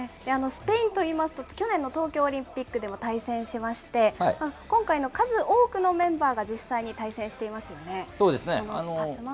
スペインといいますと、去年の東京オリンピックでも対戦しまして、今回の数多くのメンバーが実際に対戦していそうですね。